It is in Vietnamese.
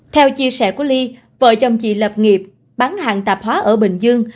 theo chia sẻ của ly vợ chồng chị lập nghiệp bán hàng tạp hóa ở bình dương